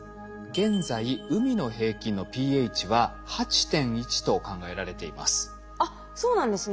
現在海の平均のｐＨは８．１と考えられています。